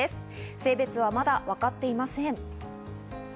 性別はまだ分かっていません。